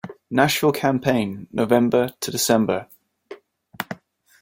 Nashville Campaign November-December.